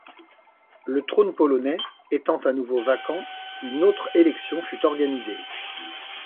Le trône polonais étant à nouveau vacant, une autre élection fut organisée.